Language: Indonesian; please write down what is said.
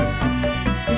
lu mau bikin apa